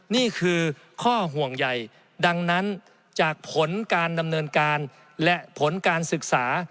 นี่คือข้อห่วงใหญ่ดังนั้นจากผลการดำเนินการและผลการศึกษา